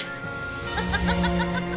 ハハハハハ！